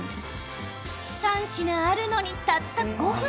３品あるのに、たった５分。